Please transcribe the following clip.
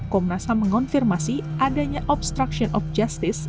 komnashan mengonfirmasi adanya obstruction of justice